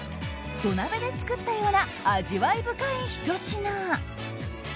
土鍋で作ったような味わい深い一品。